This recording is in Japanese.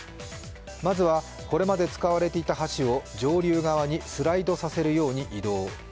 まずはこれまで使われていた橋を上流側にスライドさせるように移動。